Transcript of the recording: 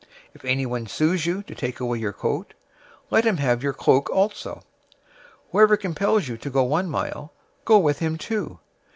005:040 If anyone sues you to take away your coat, let him have your cloak also. 005:041 Whoever compels you to go one mile, go with him two.